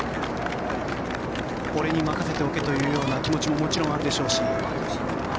俺に任せておけという気持ちももちろんあるでしょうし。